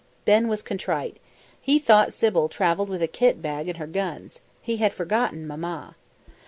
Ben was contrite. He thought Sybil travelled with a kit bag and her guns; he had forgotten Mamma.